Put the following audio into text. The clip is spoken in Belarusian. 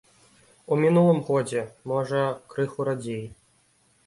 У мінулым годзе, можа, крыху радзей.